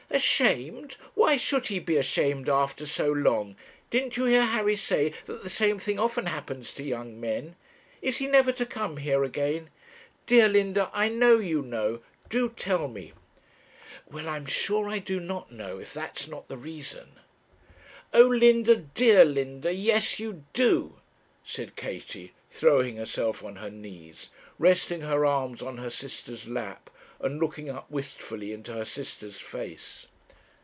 'Ashamed! Why should he be ashamed after so long? Didn't you hear Harry say that the same thing often happens to young men? Is he never to come here again? Dear Linda, I know you know; do tell me.' 'Well, I'm sure I do not know, if that's not the reason.' 'Oh! Linda, dear Linda, yes, you do,' said Katie, throwing herself on her knees, resting her arms on her sister's lap, and looking up wistfully into her sister's face.